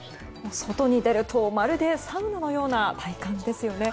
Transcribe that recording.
外に出るとまるでサウナのような体感ですよね。